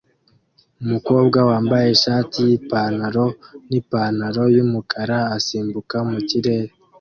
Umukobwa wambaye ishati yipantaro nipantaro yumukara asimbuka mukirere